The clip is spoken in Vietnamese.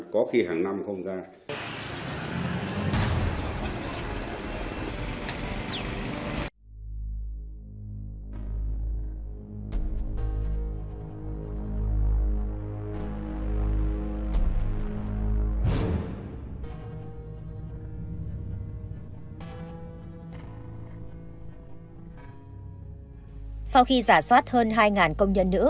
có khi hàng năm không ra